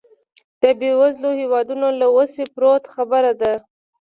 د بېوزلو هېوادونو له وسې پورته خبره ده.